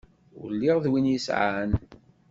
Ur lliɣ d win yesεan.